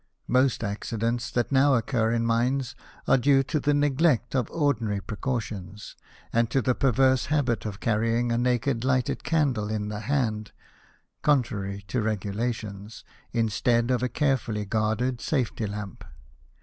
Most accidents that now occur in mines are due to the neglect o of ordinary precautions, and to the perverse habit of carrying a naked lighted candle in the hand (contrary to regulations) instead of a carefully guarded safety lamp.